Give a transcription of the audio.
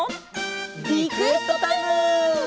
リクエストタイム！